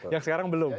yang sekarang belum